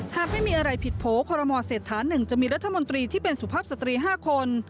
ถ้าไม่มีอะไรผิดโพกคอรมอเสร็จฐานหนึ่งจะมีรัฐมนตรีที่เป็นสุภาพสตรีห้าคน